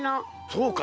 そうか。